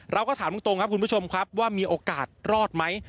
เราก็ถามตรงครับคุณผู้ชมครับว่ามีโอกาสรอดไหม